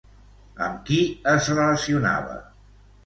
Amb qui es relacionava?